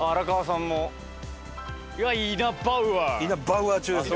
イナバウアー中ですね。